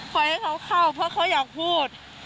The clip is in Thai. ขอให้เขาเข้าเพราะเขาอยากพูด